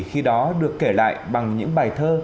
khi đó được kể lại bằng những bài thơ